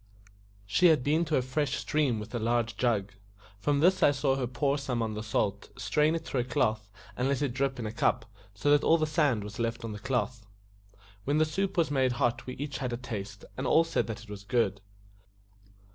She had been to a fresh stream with a large jug; from this I saw her pour some on the salt, strain it through a cloth, and let it drip in a cup, so that all the sand was left on the cloth. When the soup was made hot we had each a taste, and all said that it was good.